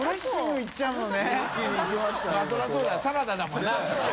サラダだもんな！